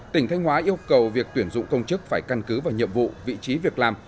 tỉnh thanh hóa yêu cầu việc tuyển dụng công chức phải căn cứ vào nhiệm vụ vị trí việc làm